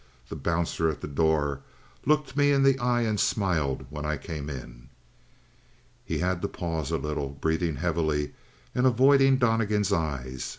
The bouncer at the door looked me in the eye and smiled when I came in." He had to pause a little, breathing heavily, and avoiding Donnegan's eyes.